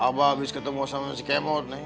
abah habis ketemu sama si kemot nih